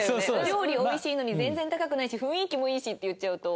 「料理おいしいのに全然高くないし雰囲気もいいし」って言っちゃうと。